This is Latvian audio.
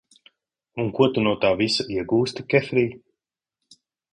Un ko tu no tā visa iegūsti, Kefrij?